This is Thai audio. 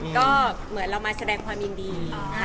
ก็เหมือนเรามาแสดงความยินดี